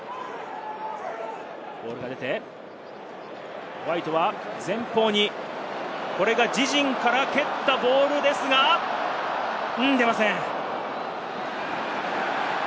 ボールが出て、ホワイトは前方に、これが自陣から蹴ったボールですが、出ません。